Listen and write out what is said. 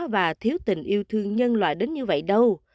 và thiếu tình yêu thương nhân loại đến như vậy đâu